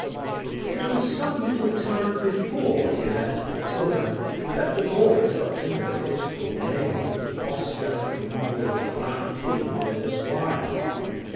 "It was some little time before he left Portora that the boys got to know of his full name, Oscar Fingal O'Flahertie Wills Wilde.